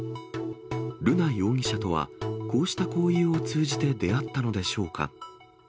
瑠奈容疑者とは、こうした交友を通じて出会ったのでしょうか。